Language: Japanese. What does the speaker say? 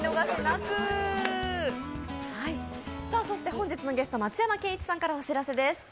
本日のゲスト、松山ケンイチさんからお知らせです。